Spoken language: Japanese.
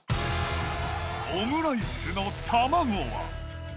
オムライスの卵は。